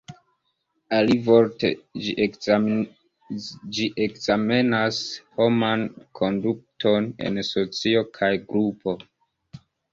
Alivorte, ĝi ekzamenas homan konduton en socio kaj grupo.